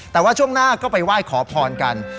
แต่ว่าช่วงหน้าก็ไปไหว้ขอพรกัน